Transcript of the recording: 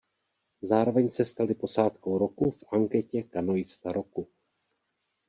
Zároveň se stali posádkou roku v anketě Kanoista roku.